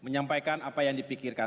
menyampaikan apa yang dipikirkan